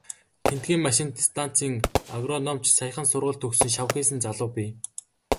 Тэндхийн машинт станцын агрономич, саяхан сургууль төгссөн шавхийсэн залуу бий.